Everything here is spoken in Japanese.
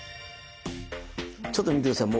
ちょっと見て下さい。